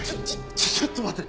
ちょちょっと待って。